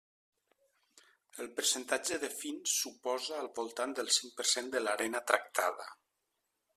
El percentatge de fins suposa al voltant del cinc per cent de l'arena tractada.